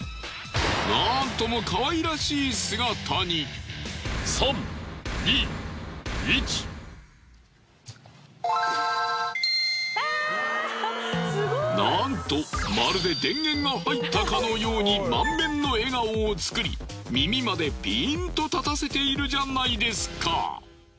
なんともなんとまるで電源が入ったかのように満面の笑顔を作り耳までピーンと立たせているじゃないですか。